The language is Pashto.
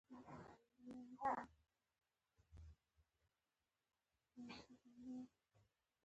پرانیستو بنسټونو په لور حرکت بېرته پر شا تګ لري